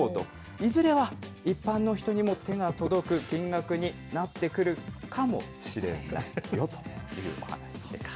いずれは一般の人にも手が届く金額になってくるかもしれないよというお話です。